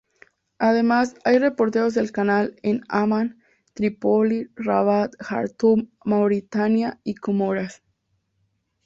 Además, hay reporteros del canal en Amán, Trípoli, Rabat, Jartum, Mauritania y Comoras.